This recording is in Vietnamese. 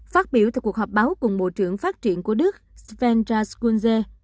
phát biểu tại cuộc họp báo cùng bộ trưởng phát triển của đức sven raskunze